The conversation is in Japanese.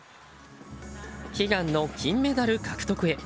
悲願の金メダル獲得へ。